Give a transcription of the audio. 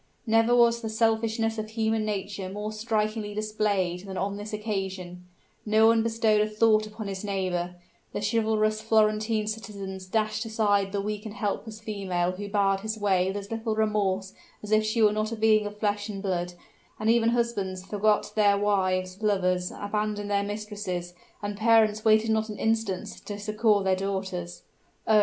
Never was the selfishness of human nature more strikingly displayed than on this occasion: no one bestowed a thought upon his neighbor: the chivalrous Florentine citizens dashed aside the weak and helpless female who barred his way with as little remorse as if she were not a being of flesh and blood; and even husbands forgot their wives, lovers abandoned their mistresses, and parents waited not an instant to succor their daughters. Oh!